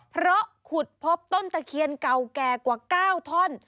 เพราะขุดพบต้นตะเคียนเก่าแก่กว่า๙ท่อน